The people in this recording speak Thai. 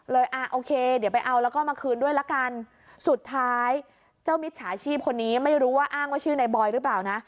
อ่าโอเคเดี๋ยวไปเอาแล้วก็มาคืนด้วยละกันสุดท้ายเจ้ามิจฉาชีพคนนี้ไม่รู้ว่าอ้างว่าชื่อในบอยหรือเปล่านะ